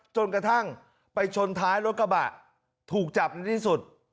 จนกระทั่งไปชนท้ายรถกระบะถูกจับในที่สุด